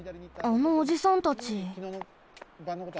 あのおじさんたち。